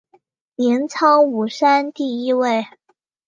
镰仓五山第一位。